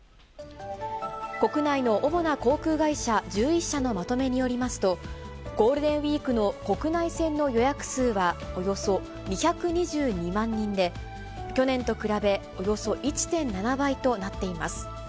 国内の主な航空会社１１社のまとめによりますと、ゴールデンウィークの国内線の予約数はおよそ２２２万人で、去年と比べ、およそ１．７倍となっています。